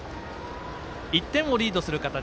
１点をリードする形